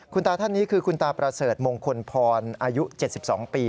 คุณตาท่านนี้คือคุณตาประเสริฐมงคลพรอายุ๗๒ปี